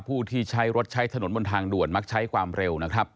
ผู้ที่ใช้รถใช้ถนนบนทางด่วนมักใช้ความเร็วนะครับ